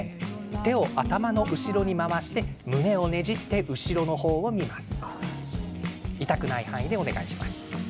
手を頭の後ろに回して胸をねじって後ろの方を見ます。